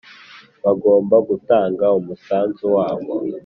bagomba gutanga umusanzu wabo